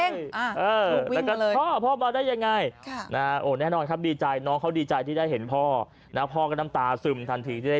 ตอนแรกเขาใส่ทั้งแว่นดำทั้งหน้ากากมา